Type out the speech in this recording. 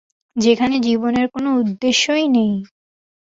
যেখানে জীবনের কোন উদ্দেশ্যই নেই।